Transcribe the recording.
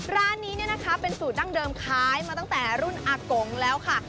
ร้านนี้เนี่ยนะคะเป็นสูตรดั้งเดิมขายมาตั้งแต่รุ่นอากงแล้วค่ะ